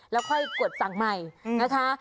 แล้วค่อยกดสั่งใหม่นะคะ